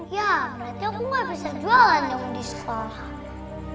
ya berarti aku gak bisa jualan dong di sekolah